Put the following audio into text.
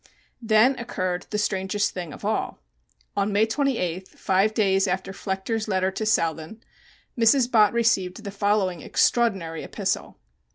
Then occurred the strangest thing of all. On May 28th, five days after Flechter's letter to Southan, Mrs. Bott received the following extraordinary epistle.